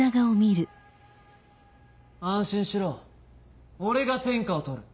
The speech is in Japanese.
安心しろ俺が天下を獲る。